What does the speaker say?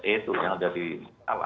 itu yang ada di awal